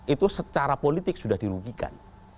itu secara politik sudah dirugikan